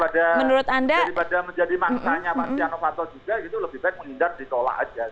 daripada menjadi maksanya pak stianofanto juga itu lebih baik menindak ditolak aja